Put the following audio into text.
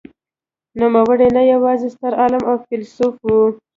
نوموړی نه یوازې ستر عالم او فیلسوف و.